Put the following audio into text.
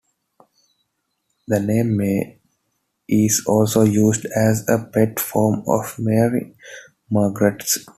The name May is also used as a pet form of Mary and Margaret.